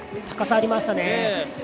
高さありましたね。